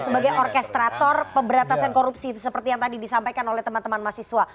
sebagai orkestrator pemberantasan korupsi seperti yang tadi disampaikan oleh teman teman mahasiswa